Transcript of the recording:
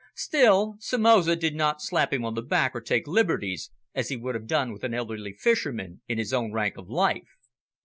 Still, Somoza did not slap him on the back, or take liberties, as he would have done with an elderly fisherman in his own rank of life.